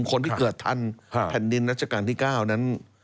คนที่เกิดทันแผ่นดินรัชกาลที่๙นั้น